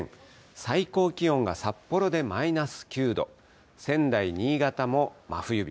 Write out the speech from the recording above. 最高気温が札幌でマイナス９度、仙台、新潟も真冬日。